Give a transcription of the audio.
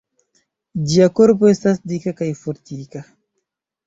Ĝia korpo estas dika kaj fortika.